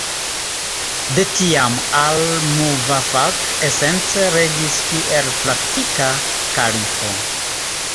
De tiam, al-Muvafak esence regis kiel praktika kalifo.